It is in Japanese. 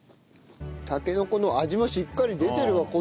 たけのこの味もしっかり出てるわ